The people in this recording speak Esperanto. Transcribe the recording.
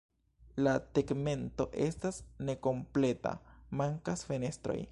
La tegmento estas nekompleta, mankas fenestroj.